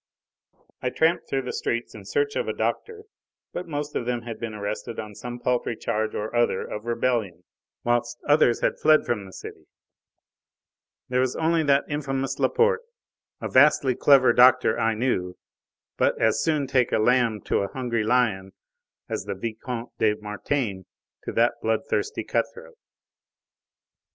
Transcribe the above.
I tramped through the streets in search of a doctor, but most of them had been arrested on some paltry charge or other of rebellion, whilst others had fled from the city. There was only that infamous Laporte a vastly clever doctor, I knew but as soon take a lamb to a hungry lion as the Vicomte de Mortaine to that bloodthirsty cut throat.